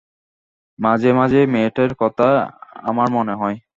মাঝেমাঝেই মেয়েটার কথা আমার মনে হয়।